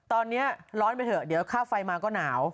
ตอนนี้คือบอกว่าร้อนไปเถอะเดี๋ยวค่าไฟมาก็นาว